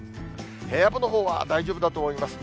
平野部のほうは大丈夫だと思います。